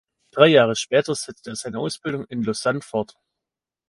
Drei Jahre später setzte er seine Ausbildung in Lausanne fort.